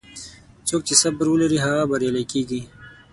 څوک چې صبر ولري، هغه بریالی کېږي.